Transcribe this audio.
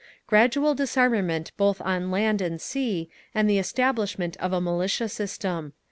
Gradual disarmament both on land and sea, and the establishment of a militia system.